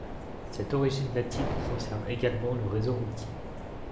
Cette origine latine concerne également le réseau routier.